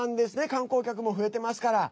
観光客も増えてますから。